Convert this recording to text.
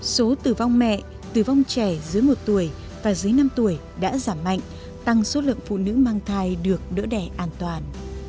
số tử vong mẹ tử vong trẻ dưới một tuổi và dưới năm tuổi đã giảm mạnh tăng số lượng phụ nữ mang thai được đỡ đẻ an toàn